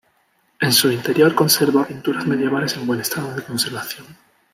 En su interior conserva pinturas medievales en buen estado de conservación.